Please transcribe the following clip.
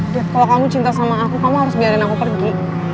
dead kalau kamu cinta sama aku kamu harus biarin aku pergi